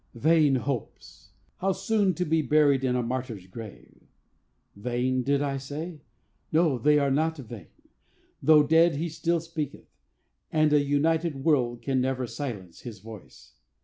Vain hopes! How soon to be buried in a martyr's grave! Vain, did I say? No: they are not vain. Though dead he still speaketh; and a united world can never silence his voice.